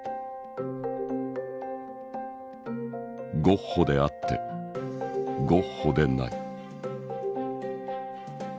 ゴッホであってゴッホでない。